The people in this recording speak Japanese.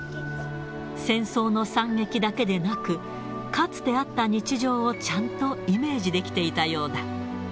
戦争の惨劇だけでなく、かつてあった日常をちゃんとイメージできていたようだ。